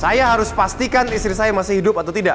saya harus pastikan istri saya masih hidup atau tidak